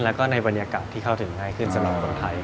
แล้วก็ในบรรยากาศที่เข้าถึงง่ายขึ้นสำหรับคนไทย